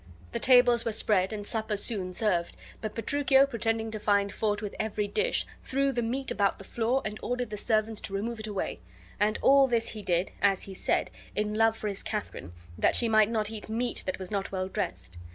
The tables were spread, and supper soon served; but Petruchio, pretending to find fault with every dish, threw the meat about the floor, and ordered the servants to remove it away; and all this he did, as he said, in love for his Katharine, that she might not eat meat that was not well dressed.